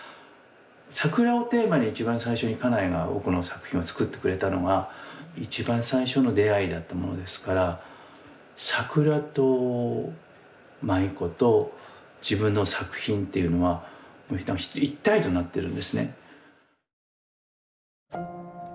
桜をテーマに一番最初に家内が僕の作品を作ってくれたのが一番最初の出会いだったものですから桜と舞位子と自分の作品っていうのは一体となってるんですね。